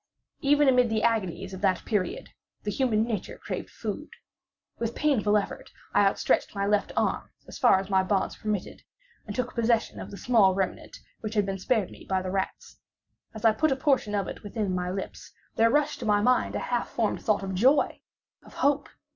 Even amid the agonies of that period, the human nature craved food. With painful effort I outstretched my left arm as far as my bonds permitted, and took possession of the small remnant which had been spared me by the rats. As I put a portion of it within my lips, there rushed to my mind a half formed thought of joy—of hope.